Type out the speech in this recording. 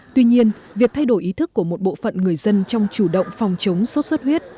tuy nhiên việc thay đổi ý thức của một bộ phận người dân trong chủ động phòng chống sốt xuất huyết